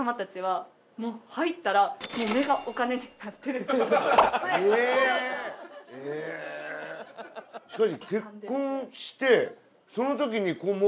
しかし結婚してその時にもう。